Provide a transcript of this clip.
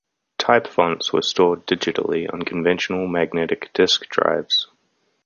Type fonts were stored digitally on conventional magnetic disk drives.